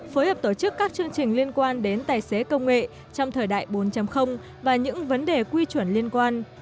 phối hợp tổ chức các chương trình liên quan đến tài xế công nghệ trong thời đại bốn và những vấn đề quy chuẩn liên quan